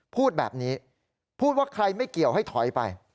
พูดแบบนี้พูดว่าใครไม่เกี่ยวให้ถอยไป